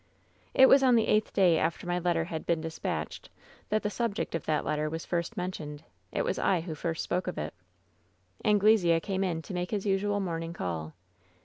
"It was on the eighth day after my letter had been dispatched that the subject of that letter was first men tioned. It was I who first spoke of it. "Anglesea came in to make his usual morning call.